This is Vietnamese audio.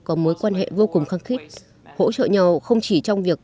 có mối quan hệ vô cùng khăng khích hỗ trợ nhau không chỉ trong việt nam